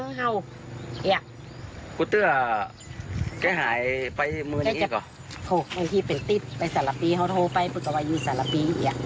โอ้โฮไอ้ที่เป็นติ๊บไปสาระปีเขาโทรไปปุ๊บก็ว่าอยู่สาระปี